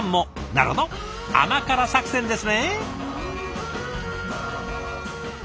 なるほど甘辛作戦ですね！